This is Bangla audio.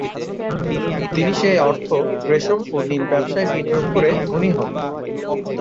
তিনি সেই অর্থ রেশম ও নীল ব্যবসায় বিনিয়োগ করে ধনী হন।